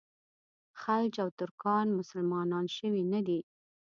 خلج او ترکان مسلمانان شوي نه دي.